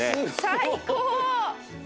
最高！